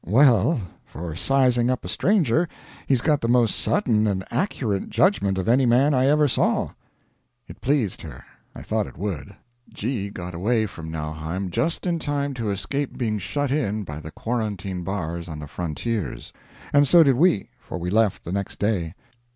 Well, for sizing up a stranger, he's got the most sudden and accurate judgment of any man I ever saw.' "It pleased her. I thought it would." G. got away from Nauheim just in time to escape being shut in by the quarantine bars on the frontiers; and so did we, for we left the next day.